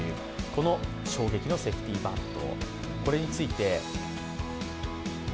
この衝撃のセーフティバント。